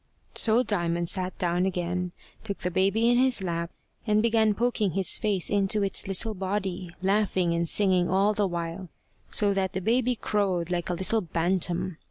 So Diamond sat down again, took the baby in his lap, and began poking his face into its little body, laughing and singing all the while, so that the baby crowed like a little bantam.